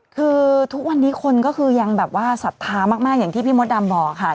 คือทุกวันนี้คนก็คือยังแบบว่าศรัทธามากอย่างที่พี่มดดำบอกค่ะ